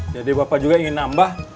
jadi bapak juga ingin nambah